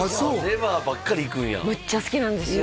レバーばっかりいくんやむっちゃ好きなんですよ